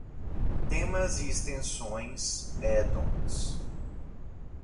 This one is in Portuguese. temas e extensões, add-ons